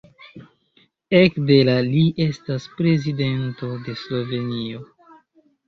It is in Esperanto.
Ekde la li estas Prezidento de Slovenio.